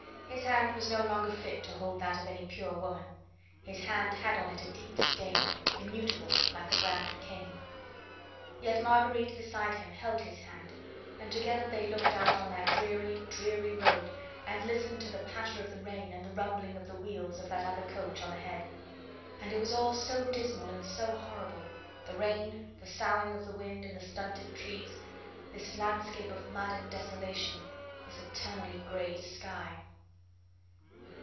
His hand was no longer fit to hold that of any pure woman his hand had on it a deep stain, immutable, like the brand of Cain. Yet Marguerite beside him held his hand and together they looked out on that dreary, dreary road and listened to of the patter of the rain and the rumbling of the wheels of that other coach on ahead and it was all so dismal and so horrible, the rain, the soughing of the wind in the stunted trees, this landscape of mud and desolation, this eternally grey sky.